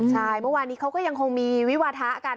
ใช่เมื่อวานนี้เขาก็ยังคงมีวิวาทะกัน